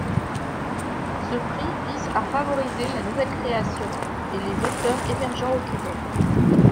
Ce prix vise à favoriser la nouvelle création et les auteurs émergents au Québec.